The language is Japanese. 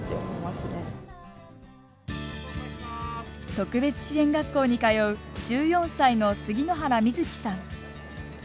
特別支援学校に通う１４歳の杉之原みずきさん。